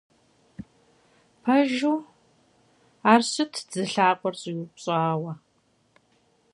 Пэжу, ар щытт зы лъакъуэр щӀиупщӀауэ.